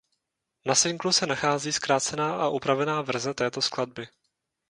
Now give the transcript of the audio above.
Na singlu se nachází zkrácená a upravená verze této skladby.